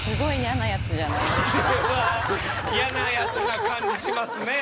嫌なやつな感じしますね。